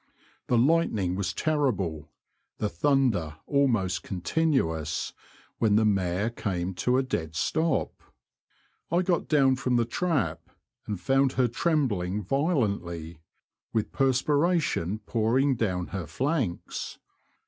The lightning was terrible, the thunder almost continuous, when the mare came to a dead stop. I got down from the trap and found her trembling violently, with perspiration pouring down her flanks.